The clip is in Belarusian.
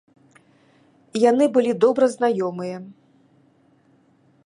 Яны былі добра знаёмыя.